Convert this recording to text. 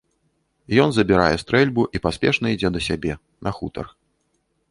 Ён забірае стрэльбу і паспешна ідзе да сябе, на хутар.